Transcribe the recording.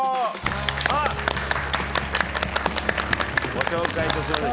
ご紹介いたします。